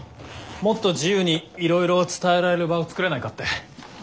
もっと自由にいろいろ伝えられる場を作れないかって。